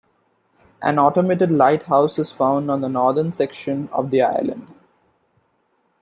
An automated lighthouse is found on the northern section of the island.